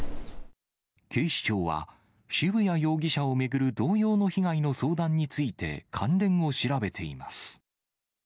警視庁は、渋谷容疑者を巡る同様の被害の相談について関連を調べています。